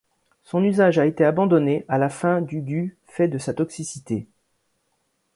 Son usage a été abandonné à la fin du du fait de sa toxicité.